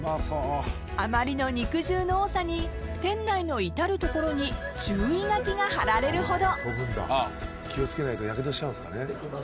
あまりの肉汁の多さに店内の至る所に注意書きが貼られるほど。